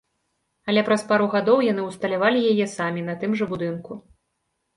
Але праз пару гадоў яны ўсталявалі яе самі на тым жа будынку.